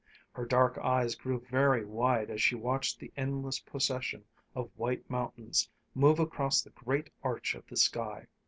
Her dark eyes grew very wide as she watched the endless procession of white mountains move across the great arch of the sky.